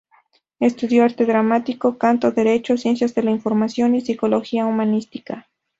Estudió arte dramático, canto, derecho, ciencias de la información y psicología humanística.